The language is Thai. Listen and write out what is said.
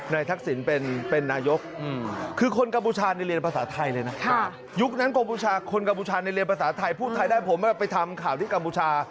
ในทักศิลป์เป็นเป็นนายกคือคนกัมพูชาในเรียนภาษาไทยเลยนะค่ะยุคนั้นกัมพูชาคนกัมพูชาในเรียนภาษาไทยพูดไทยได้ผมมาไปทำข่าวที่กัมพูชา